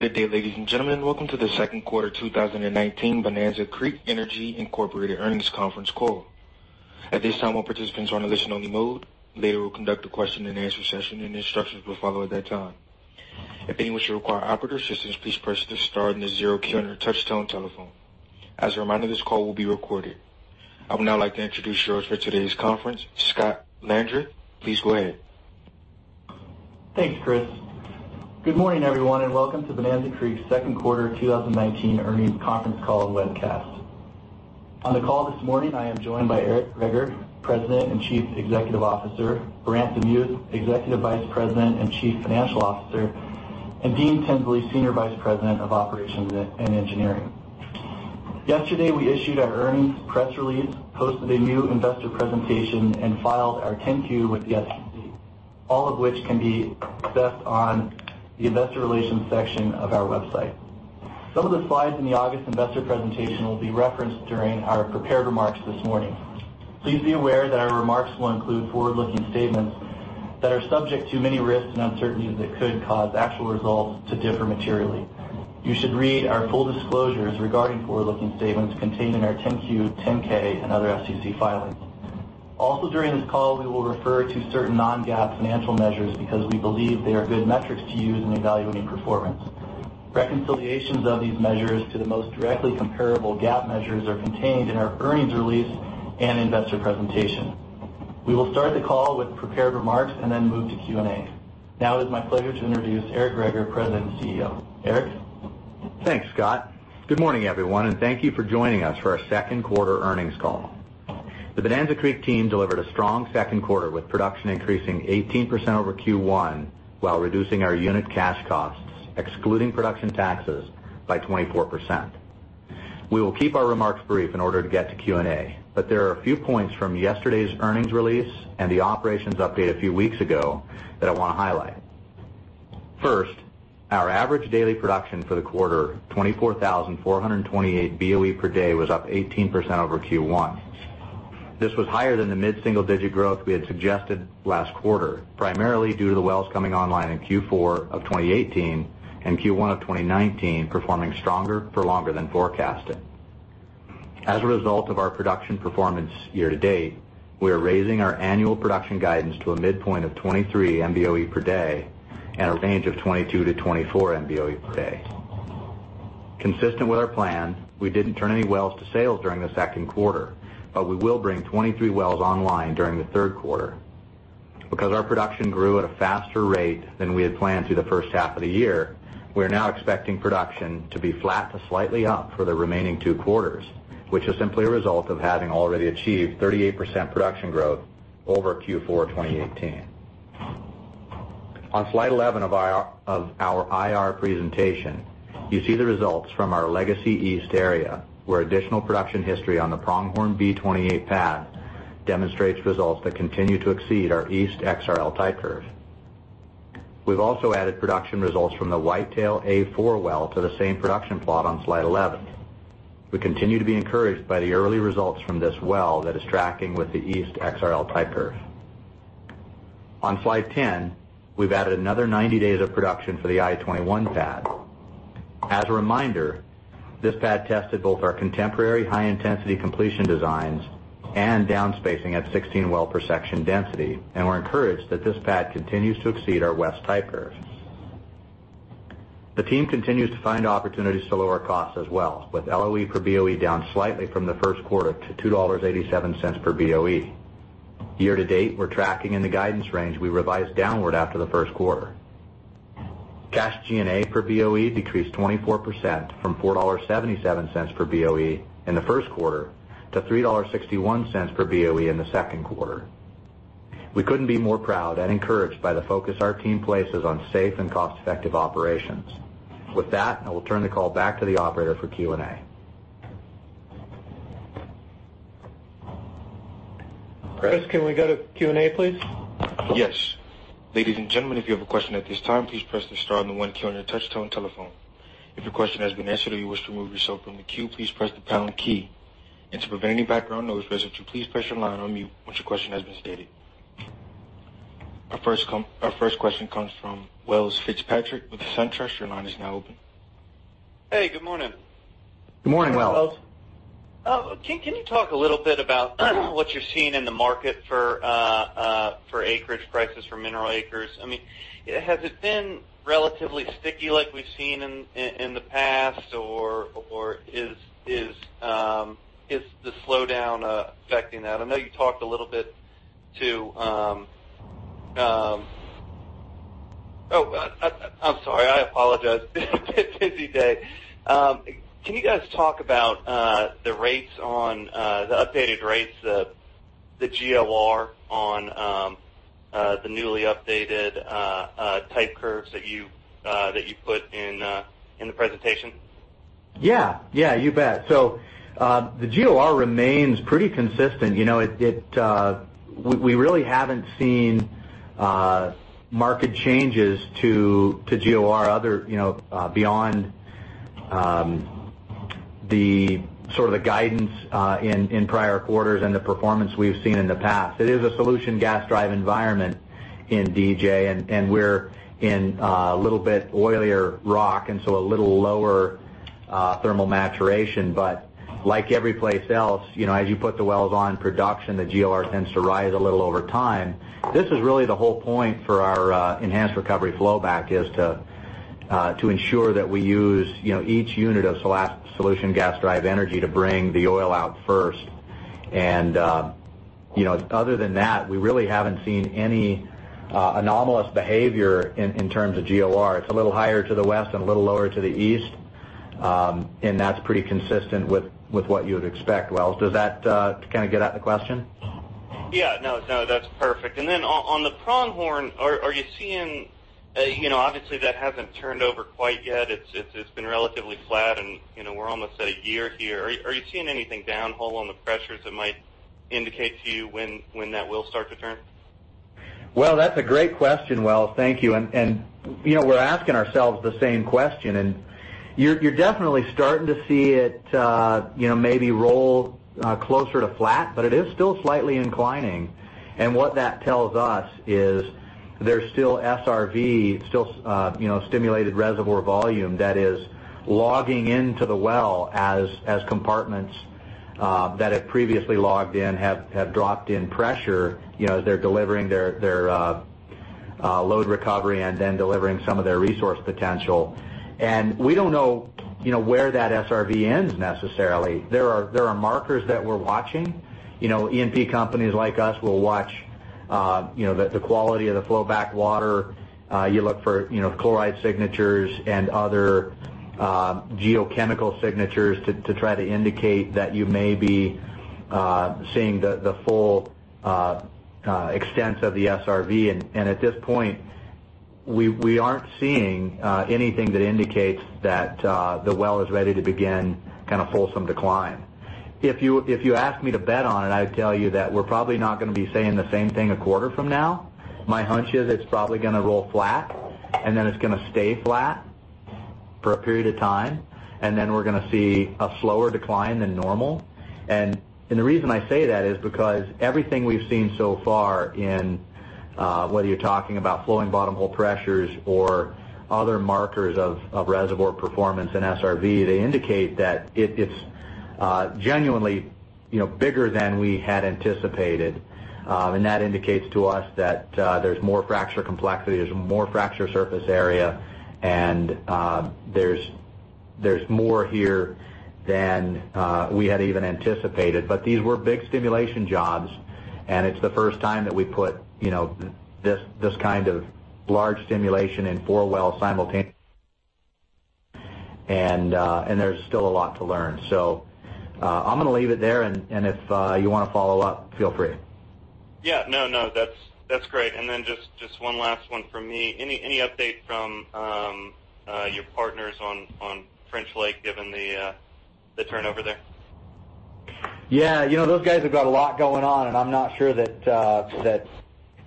Good day, ladies and gentlemen. Welcome to the second quarter 2019 Bonanza Creek Energy, Inc. earnings conference call. At this time, all participants are in a listen only mode. Later, we'll conduct a question and answer session, and instructions will follow at that time. If anyone should require operator assistance, please press the star and the zero key on your touchtone telephone. As a reminder, this call will be recorded. I would now like to introduce yours for today's conference, Scott Landreth. Please go ahead. Thanks, Scott Landreth. Good morning, everyone, and welcome to Bonanza Creek's second quarter 2019 earnings conference call and webcast. On the call this morning, I am joined by Eric Greager, President and Chief Executive Officer, Brant DeMuth, Executive Vice President and Chief Financial Officer, and Dean Tinsley, Senior Vice President of Operations and Engineering. Yesterday, we issued our earnings press release, posted a new investor presentation, and filed our 10-Q with the SEC, all of which can be accessed on the investor relations section of our website. Some of the slides in the August investor presentation will be referenced during our prepared remarks this morning. Please be aware that our remarks will include forward-looking statements that are subject to many risks and uncertainties that could cause actual results to differ materially. You should read our full disclosures regarding forward-looking statements contained in our 10-Q, 10-K, and other SEC filings. During this call, we will refer to certain non-GAAP financial measures because we believe they are good metrics to use in evaluating performance. Reconciliations of these measures to the most directly comparable GAAP measures are contained in our earnings release and investor presentation. We will start the call with prepared remarks and then move to Q&A. Now it is my pleasure to introduce Eric Greager, President and CEO. Eric? Thanks, Scott. Good morning, everyone, and thank you for joining us for our second quarter earnings call. The Bonanza Creek team delivered a strong second quarter with production increasing 18% over Q1 while reducing our unit cash costs, excluding production taxes, by 24%. We will keep our remarks brief in order to get to Q&A, but there are a few points from yesterday's earnings release and the operations update a few weeks ago that I want to highlight. First, our average daily production for the quarter, 24,428 BOE per day, was up 18% over Q1. This was higher than the mid-single digit growth we had suggested last quarter, primarily due to the wells coming online in Q4 of 2018 and Q1 of 2019 performing stronger for longer than forecasted. As a result of our production performance year to date, we are raising our annual production guidance to a midpoint of 23 MBOE per day and a range of 22-24 MBOE per day. Consistent with our plan, we didn't turn any wells to sales during the second quarter. We will bring 23 wells online during the third quarter. Our production grew at a faster rate than we had planned through the first half of the year, we are now expecting production to be flat to slightly up for the remaining two quarters, which is simply a result of having already achieved 38% production growth over Q4 2018. On slide 11 of our IR presentation, you see the results from our legacy East area where additional production history on the Pronghorn B28 pad demonstrates results that continue to exceed our East XRL type curve. We've also added production results from the Whitetail A4 well to the same production plot on slide 11. We continue to be encouraged by the early results from this well that is tracking with the East XRL type curve. On slide 10, we've added another 90 days of production for the I-21 pad. As a reminder, this pad tested both our contemporary high intensity completion designs and down spacing at 16 well per section density. We're encouraged that this pad continues to exceed our West type curves. The team continues to find opportunities to lower costs as well, with LOE per BOE down slightly from the first quarter to $2.87 per BOE. Year to date, we're tracking in the guidance range we revised downward after the first quarter. Cash G&A per BOE decreased 24% from $4.77 per BOE in the first quarter to $3.61 per BOE in the second quarter. We couldn't be more proud and encouraged by the focus our team places on safe and cost-effective operations. With that, I will turn the call back to the operator for Q&A. Scott Landreth, can we go to Q&A, please? Yes. Ladies and gentlemen, if you have a question at this time, please press the star and the one key on your touchtone telephone. If your question has been answered or you wish to remove yourself from the queue, please press the pound key. To prevent any background noise, we ask that you please press your line on mute once your question has been stated. Our first question comes from Welles Fitzpatrick with SunTrust. Your line is now open. Hey, good morning. Good morning, Welles. Can you talk a little bit about what you're seeing in the market for acreage prices for mineral acres? Has it been relatively sticky like we've seen in the past, or is the slowdown affecting that? Can you guys talk about the updated rates, the GOR on the newly updated type curves that you put in the presentation? Yeah. You bet. The GOR remains pretty consistent. We really haven't seen market changes to GOR other beyond the sort of guidance in prior quarters and the performance we've seen in the past. It is a solution gas drive environment in DJ, and we're in a little bit oilier rock, and so a little lower thermal maturation. Like every place else, as you put the wells on production, the GOR tends to rise a little over time. This is really the whole point for our enhanced recovery flowback, is to ensure that we use each unit of solution gas drive energy to bring the oil out first. Other than that, we really haven't seen any anomalous behavior in terms of GOR. It's a little higher to the west and a little lower to the east, and that's pretty consistent with what you would expect, Welles. Does that kind of get at the question? Yeah. No, that's perfect. On the Pronghorn, are you seeing Obviously, that hasn't turned over quite yet. It's been relatively flat, and we're almost at a year here. Are you seeing anything downhole on the pressures that might indicate to you when that will start to turn? Well, that's a great question, Welles. Thank you. We're asking ourselves the same question, and you're definitely starting to see it maybe roll closer to flat, but it is still slightly inclining. What that tells us is there's still SRV, still stimulated reservoir volume, that is logging into the well as compartments that had previously logged in have dropped in pressure as they're delivering their load recovery and then delivering some of their resource potential. We don't know where that SRV ends necessarily. There are markers that we're watching. E&P companies like us will watch the quality of the flowback water. You look for chloride signatures and other geochemical signatures to try to indicate that you may be seeing the full extent of the SRV. At this point, we aren't seeing anything that indicates that the well is ready to begin wholesome decline. If you ask me to bet on it, I would tell you that we're probably not going to be saying the same thing a quarter from now. My hunch is it's probably going to roll flat, and then it's going to stay flat for a period of time, and then we're going to see a slower decline than normal. The reason I say that is because everything we've seen so far in, whether you're talking about flowing bottom hole pressures or other markers of reservoir performance and SRV, they indicate that it's genuinely bigger than we had anticipated. That indicates to us that there's more fracture complexity, there's more fracture surface area, and there's more here than we had even anticipated. These were big stimulation jobs, and it's the first time that we put this kind of large stimulation in four wells simultaneously. There's still a lot to learn. I'm going to leave it there, and if you want to follow up, feel free. Yeah. No, that's great. Just one last one from me. Any update from your partners on French Lake, given the turnover there? Yeah. Those guys have got a lot going on, and I'm not sure that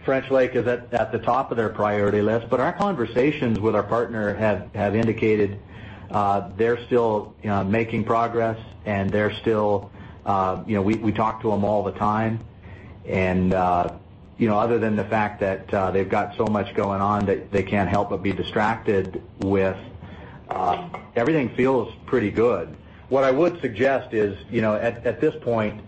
French Lake is at the top of their priority list. Our conversations with our partner have indicated they're still making progress. We talk to them all the time, and other than the fact that they've got so much going on that they can't help but be distracted with, everything feels pretty good. What I would suggest is, at this point,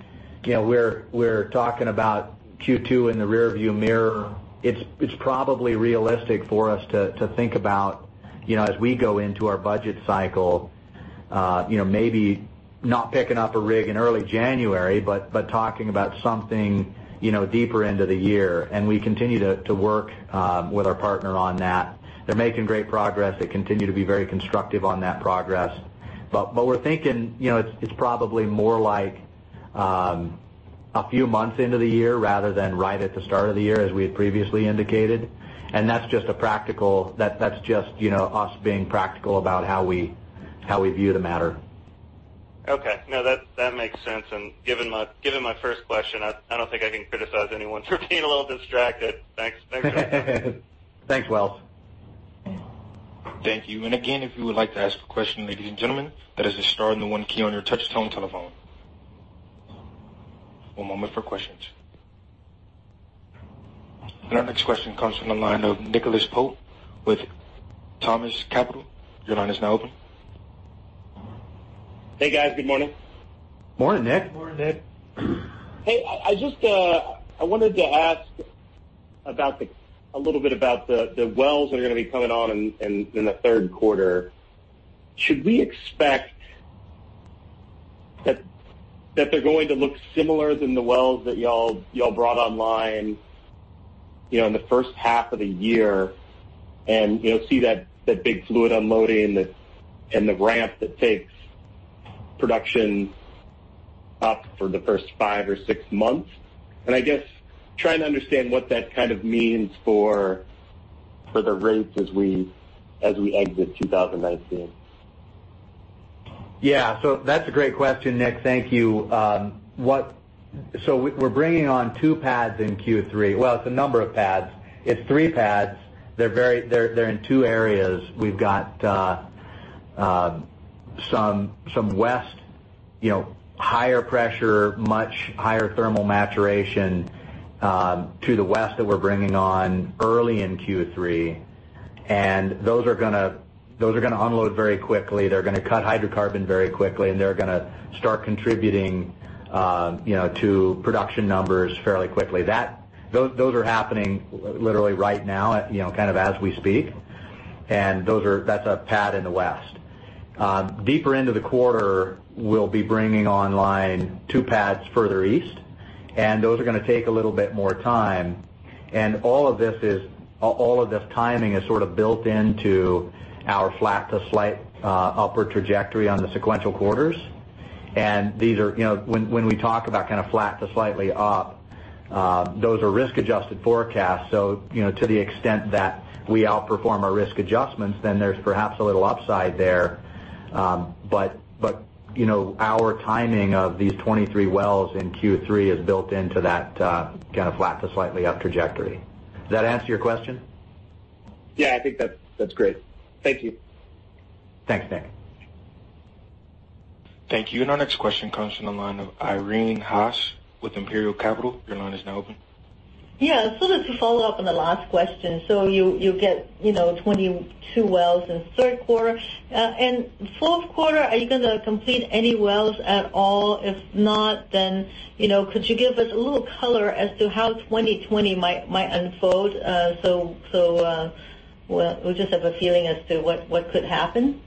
we're talking about Q2 in the rearview mirror. It's probably realistic for us to think about, as we go into our budget cycle, maybe not picking up a rig in early January, but talking about something deeper into the year. We continue to work with our partner on that. They're making great progress. They continue to be very constructive on that progress. We're thinking it's probably more like a few months into the year rather than right at the start of the year as we had previously indicated, and that's just us being practical about how we view the matter. Okay. No, that makes sense. Given my first question, I don't think I can criticize anyone for being a little distracted. Thanks. Thanks, Welles. Thank you. Again, if you would like to ask a question, ladies and gentlemen, that is the star and the one key on your touch-tone telephone. One moment for questions. Our next question comes from the line of Nicholas Pope with Seaport Global Securities. Your line is now open. Hey, guys. Good morning. Morning, Nick. Morning, Nick. Hey, I just wanted to ask a little bit about the wells that are going to be coming on in the third quarter. Should we expect that they're going to look similar than the wells that y'all brought online in the first half of the year, and see that big fluid unloading and the ramp that takes production up for the first five or six months? I guess, trying to understand what that kind of means for the rates as we exit 2019. That's a great question, Nick. Thank you. We're bringing on 2 pads in Q3. Well, it's a number of pads. It's 3 pads. They're in 2 areas. We've got some west, higher pressure, much higher thermal maturation to the west that we're bringing on early in Q3. Those are going to unload very quickly. They're going to cut hydrocarbon very quickly, and they're going to start contributing to production numbers fairly quickly. Those are happening literally right now, kind of as we speak. That's a pad in the west. Deeper into the quarter, we'll be bringing online 2 pads further east, and those are going to take a little bit more time. All of this timing is sort of built into our flat to slight upper trajectory on the sequential quarters. When we talk about flat to slightly up, those are risk-adjusted forecasts. To the extent that we outperform our risk adjustments, then there's perhaps a little upside there. Our timing of these 23 wells in Q3 is built into that kind of flat to slightly up trajectory. Does that answer your question? Yeah, I think that's great. Thank you. Thanks, Nick. Thank you. Our next question comes from the line of Irene Haas with Imperial Capital. Your line is now open. Yeah. Just to follow up on the last question, you get 22 wells in the third quarter. In fourth quarter, are you going to complete any wells at all? If not, could you give us a little color as to how 2020 might unfold so we just have a feeling as to what could happen?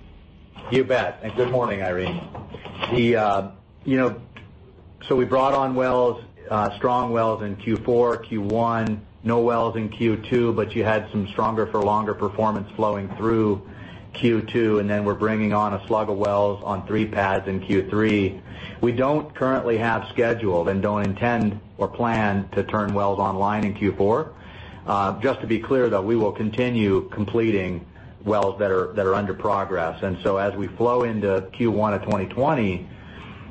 You bet. Good morning, Irene Haas. We brought on strong wells in Q4, Q1. No wells in Q2, but you had some stronger for longer performance flowing through Q2, and then we're bringing on a slug of wells on three pads in Q3. We don't currently have scheduled, and don't intend or plan to turn wells online in Q4. Just to be clear, though, we will continue completing wells that are under progress. As we flow into Q1 of 2020,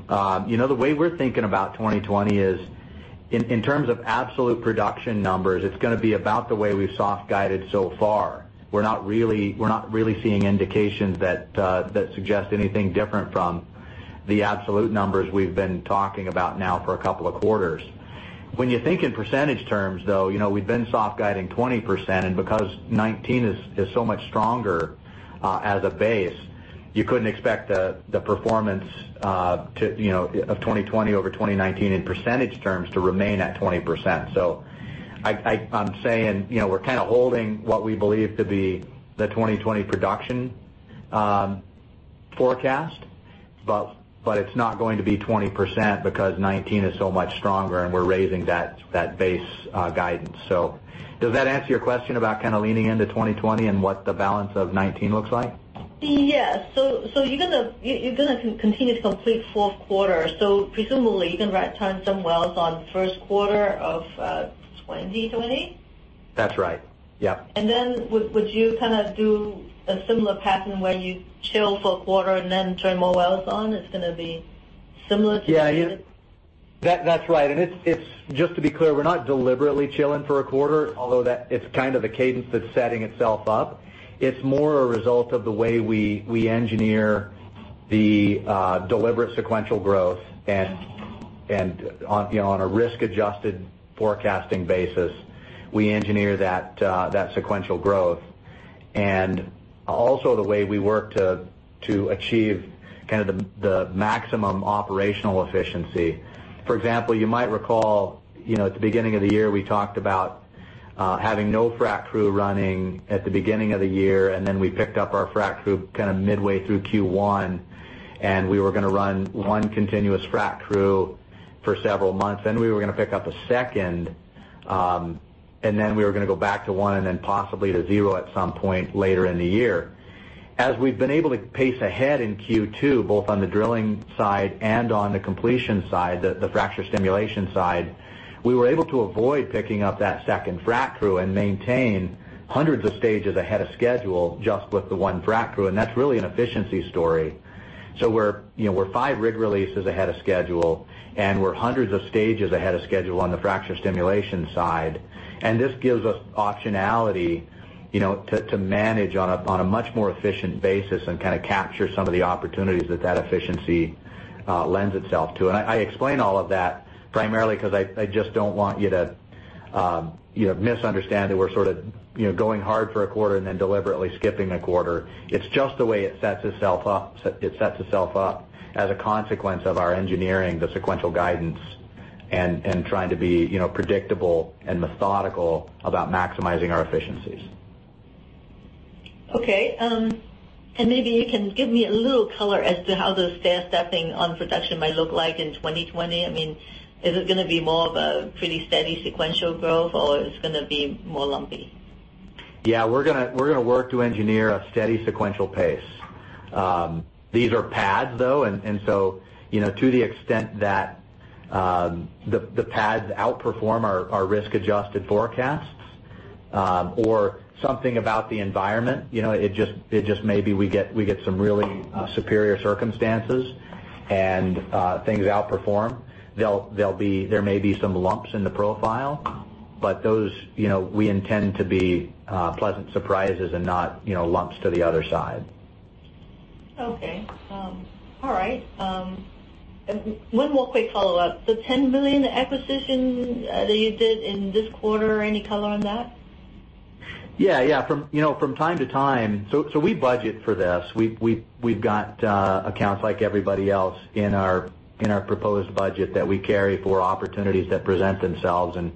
the way we're thinking about 2020 is, in terms of absolute production numbers, it's going to be about the way we've soft guided so far. We're not really seeing indications that suggest anything different from the absolute numbers we've been talking about now for a couple of quarters. When you think in percentage terms, though, we've been soft guiding 20%, and because 2019 is so much stronger as a base, you couldn't expect the performance of 2020 over 2019 in percentage terms to remain at 20%. I'm saying we're kind of holding what we believe to be the 2020 production forecast, but it's not going to be 20% because 2019 is so much stronger, and we're raising that base guidance. Does that answer your question about kind of leaning into 2020 and what the balance of 2019 looks like? Yes. You're going to continue to complete fourth quarter. Presumably, you can turn some wells on first quarter of 2020? That's right. Yeah. Would you do a similar pattern where you chill for a quarter and then turn more wells on? It's going to be similar to. Yeah. That's right. Just to be clear, we're not deliberately chilling for a quarter, although that is kind of the cadence that's setting itself up. It's more a result of the way we engineer the deliberate sequential growth, and on a risk-adjusted forecasting basis. We engineer that sequential growth. Also the way we work to achieve the maximum operational efficiency. For example, you might recall at the beginning of the year, we talked about having no frac crew running at the beginning of the year, then we picked up our frac crew midway through Q1, we were going to run one continuous frac crew for several months. We were going to pick up a second, then we were going to go back to one, then possibly to zero at some point later in the year. As we've been able to pace ahead in Q2, both on the drilling side and on the completion side, the fracture stimulation side, we were able to avoid picking up that second frac crew and maintain hundreds of stages ahead of schedule just with the one frac crew, and that's really an efficiency story. We're five rig releases ahead of schedule, and we're hundreds of stages ahead of schedule on the fracture stimulation side. This gives us optionality to manage on a much more efficient basis and capture some of the opportunities that efficiency lends itself to. I explain all of that primarily because I just don't want you to misunderstand that we're sort of going hard for a quarter and then deliberately skipping a quarter. It's just the way it sets itself up as a consequence of our engineering, the sequential guidance, and trying to be predictable and methodical about maximizing our efficiencies. Okay. Maybe you can give me a little color as to how the stair stepping on production might look like in 2020. Is it going to be more of a pretty steady sequential growth, or it's going to be more lumpy? Yeah, we're going to work to engineer a steady sequential pace. These are pads, though. To the extent that the pads outperform our risk-adjusted forecasts. Or something about the environment. It just maybe we get some really superior circumstances, and things outperform. There may be some lumps in the profile, those we intend to be pleasant surprises and not lumps to the other side. Okay. All right. One more quick follow-up. The $10 million acquisition that you did in this quarter, any color on that? Yeah. From time to time, we budget for this. We've got accounts like everybody else in our proposed budget that we carry for opportunities that present themselves, and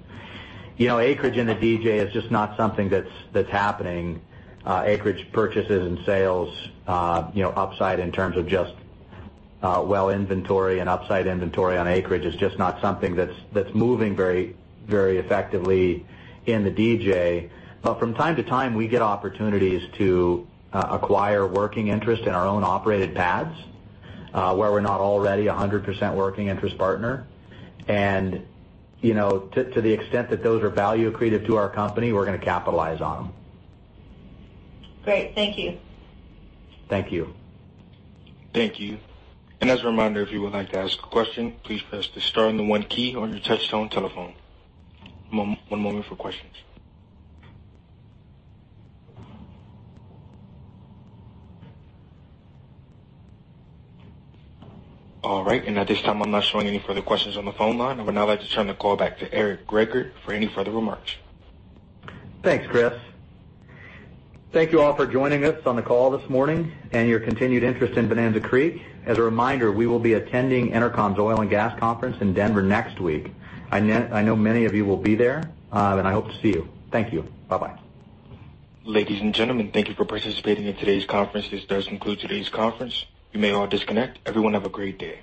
acreage in the DJ is just not something that's happening. Acreage purchases and sales, upside in terms of just well inventory and upside inventory on acreage is just not something that's moving very effectively in the DJ. From time to time, we get opportunities to acquire working interest in our own operated pads where we're not already 100% working interest partner. To the extent that those are value accretive to our company, we're going to capitalize on them. Great. Thank you. Thank you. Thank you. As a reminder, if you would like to ask a question, please press the star and the one key on your touchtone telephone. One moment for questions. All right. At this time, I'm not showing any further questions on the phone line. I would now like to turn the call back to Eric Greager for any further remarks. Thanks, Scott Landreth. Thank you all for joining us on the call this morning and your continued interest in Bonanza Creek. As a reminder, we will be attending EnerCom's Oil and Gas Conference in Denver next week. I know many of you will be there. I hope to see you. Thank you. Bye-bye. Ladies and gentlemen, thank you for participating in today's conference. This does conclude today's conference. You may all disconnect. Everyone, have a great day.